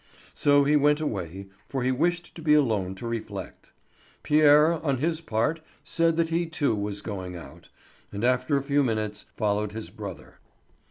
So he went away, for he wished to be alone to reflect. Pierre, on his part, said that he too was going out, and after a few minutes followed his brother.